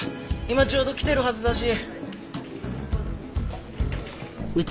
今ちょうど来てるはずだし。